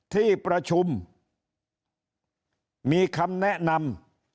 ที่ประชุมมีคำแนะนำ